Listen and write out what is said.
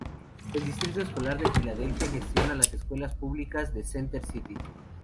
El Distrito Escolar de Filadelfia gestiona las escuelas públicas de Center City.